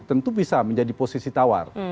tentu bisa menjadi posisi tawar